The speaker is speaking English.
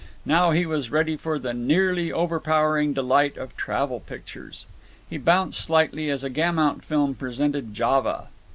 Now he was ready for the nearly overpowering delight of travel pictures. He bounced slightly as a Gaumont film presented Java.